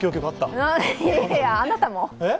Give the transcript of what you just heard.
いやいや、あなたも！